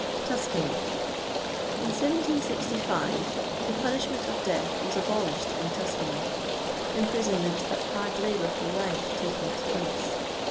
TUSCANY. In 1766 the punishment of death was abolished in Tuscany, imprisonment at hard labor for life taking its place.